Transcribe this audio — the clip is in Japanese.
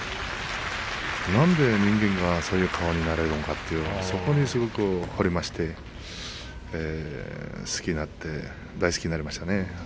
なんで人間がそういう顔になれるのか、そこにほれまして好きになって、大好きになりましたね。